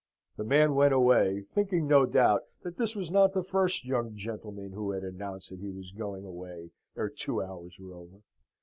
The man went away, thinking no doubt that this was not the first young gentleman who had announced that he was going away ere two hours were over.